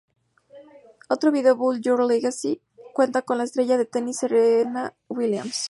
Otro vídeo, "Build Your Legacy" cuenta con la estrella del tennis Serena Williams.